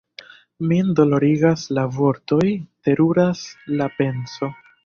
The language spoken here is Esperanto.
Min dolorigas la vortoj, teruras la penso!